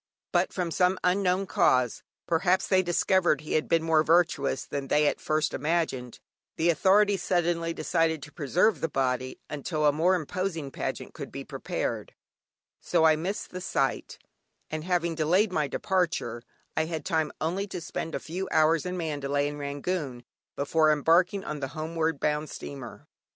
But from some unknown cause (perhaps they discovered he had been more virtuous than they at first imagined) the authorities suddenly decided to preserve the body until a more imposing pageant could be prepared, so I missed the sight; and having delayed my departure, I had time only to spend a few hours in Mandalay and Rangoon before embarking on the homeward bound steamer.